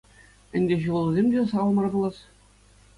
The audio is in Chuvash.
Ӗнтӗ ҫулусем те сахал мар пулас.